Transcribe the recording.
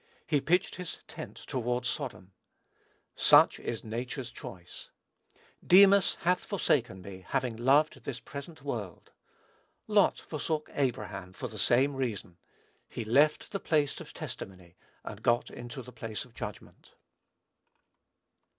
"He pitched his tent toward Sodom." Such is nature's choice! "Demas hath forsaken me, having loved this present world." Lot forsook Abraham for the same reason. He left the place of testimony, and got into the place of judgment.